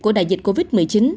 của đại dịch covid một mươi chín